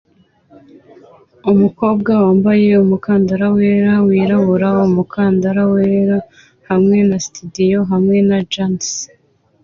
mukobwa wambaye umukandara wera wirabura umukandara wera hamwe na sitidiyo hamwe na jans